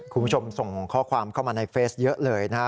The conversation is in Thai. คุณผู้ชมส่งข้อความเข้ามาในเฟซเยอะเลยนะฮะ